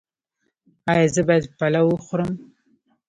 ایا زه باید پلاو وخورم؟